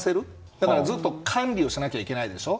だからずっと管理しなきゃいけないでしょ。